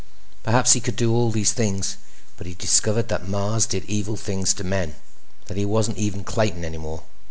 Perhaps he could do all these things, but he discovered that Mars did evil things to men; that he wasn't even Clayton any more.